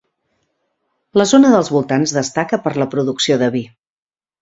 La zona dels voltants destaca per la producció de vi.